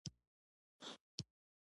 هارون او بهلول حمام ته لاړل.